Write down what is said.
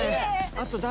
あと誰？